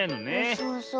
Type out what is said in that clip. そうそう。